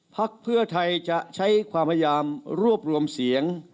พักเพื่อไทยจะใช้ความพยายามรวบรวมเสียง